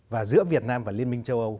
và giữa việt nam và liên minh châu âu